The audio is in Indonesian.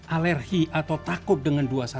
alergi atau takut dengan dua ratus dua belas